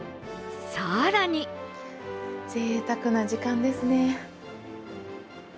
更にぜいたくな時間ですね。